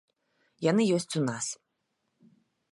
Яны ёсць у нас.